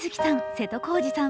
瀬戸康史さん